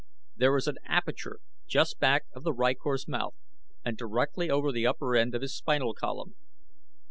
"There is an aperture just back of the rykor's mouth and directly over the upper end of his spinal column.